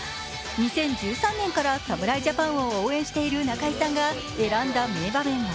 ２０１３年から侍ジャパンを応援している中居さんが選んだ名場面は？